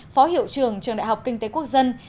phó hiệu trưởng trường đại học kinh tế quốc dân